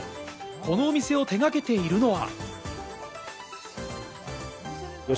このお店を手がけているのは。